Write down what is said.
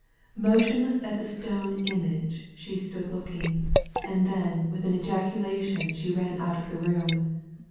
Motionless as a stone image she stood looking ; and then with an ejaculation she ran out of the room.